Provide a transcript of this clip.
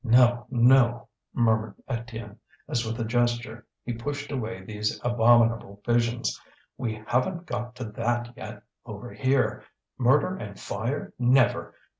"No! no!" murmured Étienne, as with a gesture he pushed away these abominable visions, "we haven't got to that yet over here. Murder and fire, never!